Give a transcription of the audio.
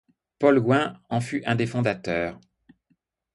Paul Gouin en fut un des fondateurs.